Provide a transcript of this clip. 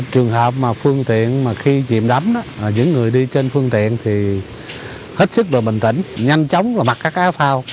trường hợp mà phương tiện khi chìm đắm những người đi trên phương tiện thì hết sức bình tĩnh nhanh chóng mặc các áo phao